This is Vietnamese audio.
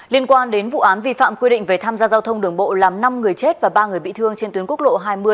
liên quan đến vụ án vi phạm quy định về tham gia giao thông đường bộ làm năm người chết và ba người bị thương trên tuyến quốc lộ hai mươi